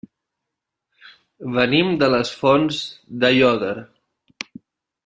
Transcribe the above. Venim de les Fonts d'Aiòder.